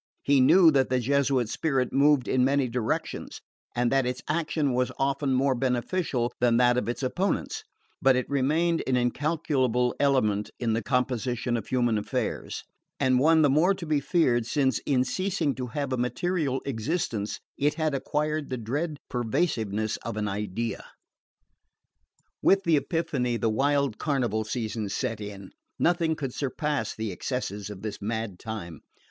He knew that the Jesuit spirit moved in many directions and that its action was often more beneficial than that of its opponents; but it remained an incalculable element in the composition of human affairs, and one the more to be feared since, in ceasing to have a material existence, it had acquired the dread pervasiveness of an idea. With the Epiphany the wild carnival season set in. Nothing could surpass the excesses of this mad time.